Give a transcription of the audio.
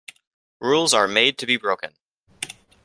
Rules are made to be broken.